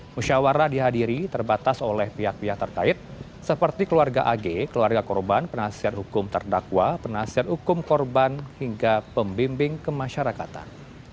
musyawarah dihadiri terbatas oleh pihak pihak terkait seperti keluarga ag keluarga korban penasihat hukum terdakwa penasihat hukum korban hingga pembimbing kemasyarakatan